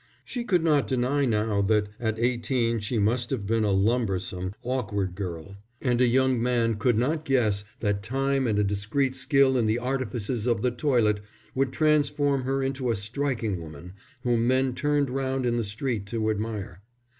She could not deny now that at eighteen she must have been a lumbersome, awkward girl; and a young man could not guess that time and a discreet skill in the artifices of the toilet would transform her into a striking woman whom men turned round in the street to admire.